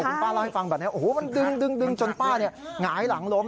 คุณป้าเล่าให้ฟังแบบนี้โอ้โหมันดึงจนป้าหงายหลังล้ม